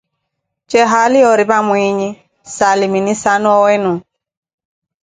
Jee haali yooripa mwiinyi, saalimini saana owenu ?